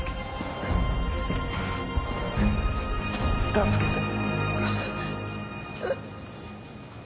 助けて。